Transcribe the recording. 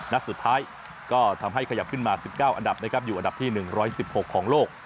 นัดสุดท้ายก็ทำให้ขยับขึ้นมา๑๙อันดับนะครับอยู่อันดับที่๑๑๖ของโลก